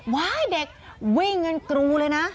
เด็กวิ่งกันกรูเลยนะ